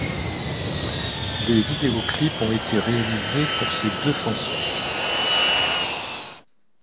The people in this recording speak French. Des vidéoclips ont été réalisés pour ces deux chansons.